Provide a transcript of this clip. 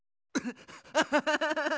アハハハハ。